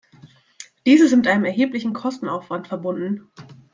Dies ist mit einem erheblichen Kostenaufwand verbunden.